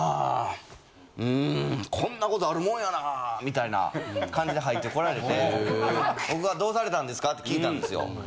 「うんこんなことあるもんやな」みたいな感じで入ってこられて僕がどうされたんですか？って聞いたんですよ。